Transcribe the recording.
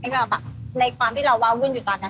ก็บอกในความที่เราวาววื่นอยู่ตอนนั้นค่ะ